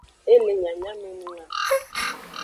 E le nyanyamenung a.